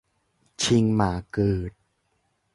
ชิงหมาเกิด